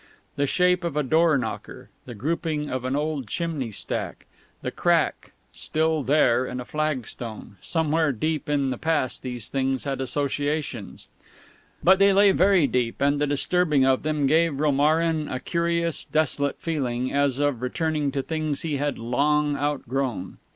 The shape of a doorknocker, the grouping of an old chimney stack, the crack, still there, in a flagstone somewhere deep in the past these things had associations; but they lay very deep, and the disturbing of them gave Romarin a curious, desolate feeling, as of returning to things he had long out grown.